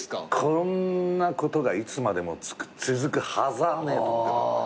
こんなことがいつまでも続くはずはねえと思って。